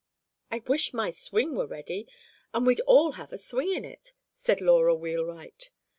"I wish my swing were ready, and we'd all have a swing in it," said Laura Wheelwright.